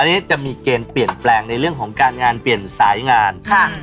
อันนี้จะมีเกณฑ์เปลี่ยนแปลงในเรื่องของการงานเปลี่ยนสายงานค่ะ